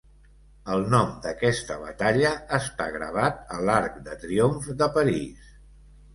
El nom d'aquesta batalla està gravat a l'Arc de triomf de París.